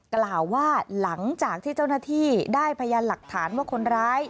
กล่าวว่าหลังจากที่เจ้าหน้าที่ได้พยานหลักฐานว่าคนร้าย